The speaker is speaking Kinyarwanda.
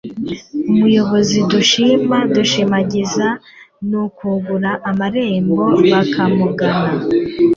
Umuyobozi dushima dushimagiza ni ukingura amarembo bakamugana